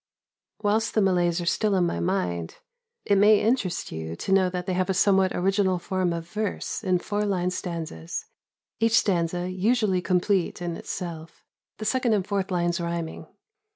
Whilst the Malays are still in my mind, it may interest you to know that they have a somewhat original form of verse in four line stanzas, each stanza usually complete in itself, the second and fourth lines rhyming.